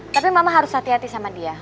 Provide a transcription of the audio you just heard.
tapi mama harus hati hati sama dia